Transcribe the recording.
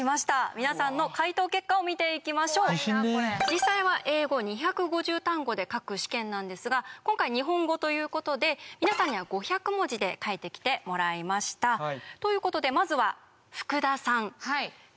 実際は英語２５０単語で書く試験なんですが今回日本語ということで皆さんには５００文字で書いてきてもらいました。ということでまずは福田さん。